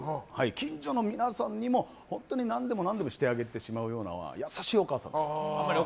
近所の皆さんにも何でもしてあげてしまうような優しいお母さんです。